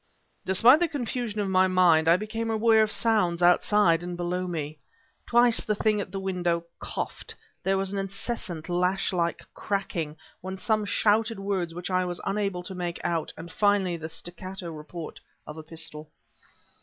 Despite the confusion of my mind I became aware of sounds outside and below me. Twice the thing at the window coughed; there was an incessant, lash like cracking, then some shouted words which I was unable to make out; and finally the staccato report of a pistol.